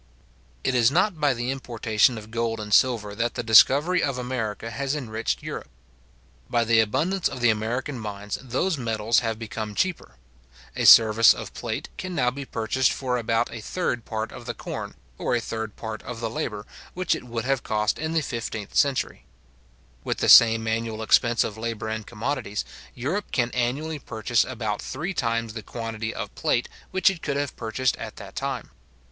It is not by the importation of gold and silver that the discovery of America has enriched Europe. By the abundance of the American mines, those metals have become cheaper. A service of plate can now be purchased for about a third part of the corn, or a third part of the labour, which it would have cost in the fifteenth century. With the same annual expense of labour and commodities, Europe can annually purchase about three times the quantity of plate which it could have purchased at that time.